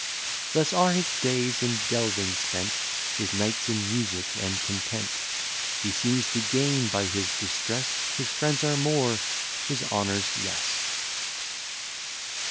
Thus are his days in delving spent, His nights in music and content; He seems to gain by his distress, His friends are more, his honours less.